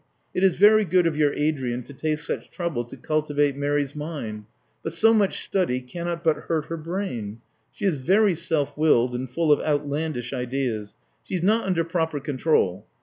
"It is very good of your Adrian to take such trouble to cultivate Mary's mind; but so much study cannot but hurt her brain. She is very self willed and full of outlandish ideas. She is not under proper control.